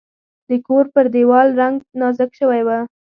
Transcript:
د کور پر دیوال رنګ نازک شوی و.